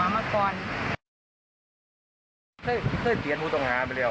อาจจะโดนซื้อช่วยโอ่งอันท่างใด